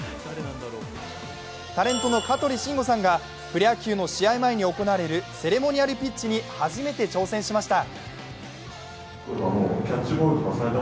タレントの香取慎吾さんがプロ野球の試合前に行われるセレモニアルピッチに初めて挑戦しました。